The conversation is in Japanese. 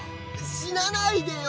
死なないでよ！